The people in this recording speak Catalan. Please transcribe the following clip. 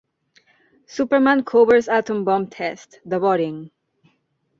"Superman Covers Atom Bomb Test!" de Boring.